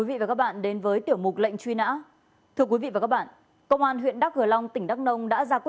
vì thực tế vẫn còn một bộ phận người dân mất cảnh giác